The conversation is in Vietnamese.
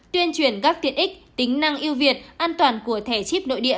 tuyên truyền các tiện ích tính năng yêu việt an toàn của thẻ chip nội địa